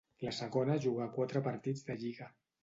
La segona jugà quatre partits de lliga.